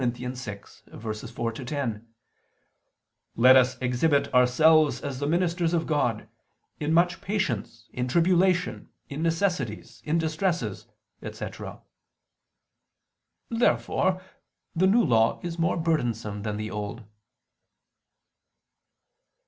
6:4 10: "Let us exhibit ourselves as the ministers of God, in much patience, in tribulation, in necessities, in distresses," etc. Therefore the New Law is more burdensome than the Old.